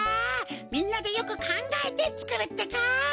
みんなでよくかんがえてつくるってか！